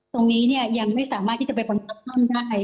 ตรงนี้ยังไม่สามารถที่จะไปบรรยายกันได้